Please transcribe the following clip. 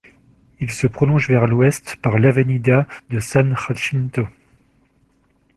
Il se prolonge vers l'ouest par l'Avenida de San Jacinto.